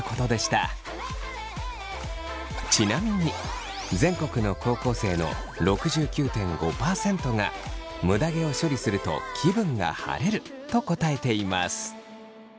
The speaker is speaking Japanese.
ちなみに全国の高校生の６９．５％がむだ毛を処理すると気分が晴れると答えています。